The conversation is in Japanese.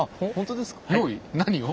何を？